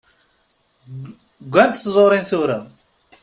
Ggant tẓurin tura.